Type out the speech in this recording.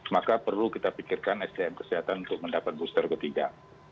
maka perlu kita pikirkan sdm kesehatan untuk mendapat booster ketiga